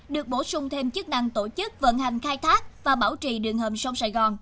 được bổ sung thêm chức năng tổ chức vận hành khai thác và bảo trì đường hầm sông sài gòn